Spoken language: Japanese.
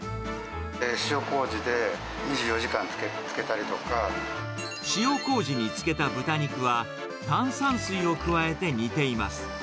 塩こうじで２４時間漬けたり塩こうじに漬けた豚肉は、炭酸水を加えて煮ています。